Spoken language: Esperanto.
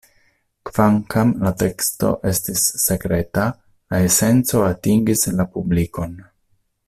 Kvankam la teksto estis sekreta, la esenco atingis la publikon.